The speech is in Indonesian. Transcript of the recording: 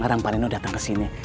orang panino dateng kesini